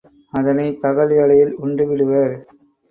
அதனைப் பகல் வேளையில் உண்டு விடுவர்.